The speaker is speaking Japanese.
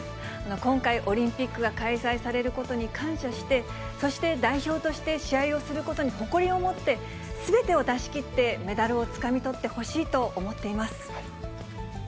今回、オリンピックが開催されることに感謝して、そして代表として試合をすることに誇りを持って、すべてを出しきって、メダルをつかみ取ってほしいと思っています。